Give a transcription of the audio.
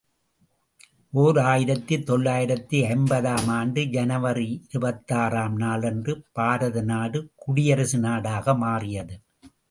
ஓர் ஆயிரத்து தொள்ளாயிரத்து ஐம்பது ஆம் ஆண்டு, ஜனவரி இருபத்தாறு ஆம் நாளன்று, பாரதநாடு குடியரசு நாடாக மாறியது.